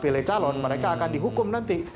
pilih calon mereka akan dihukum nanti